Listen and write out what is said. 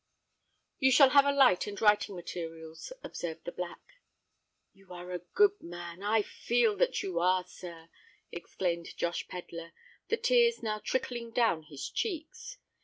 "You shall have a light and writing materials," observed the Black. "You are a good man—I feel that you are, sir!" exclaimed Josh Pedler, the tears now trickling down his cheeks.